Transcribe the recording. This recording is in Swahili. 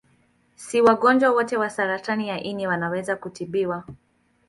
Si wagonjwa wote wa saratani ya ini wanaweza kutibiwa.